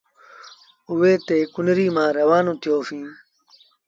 اُئي تي ڪنريٚ مآݩ روآنو ٿيو س۔